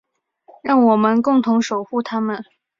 让我们共同守护她们。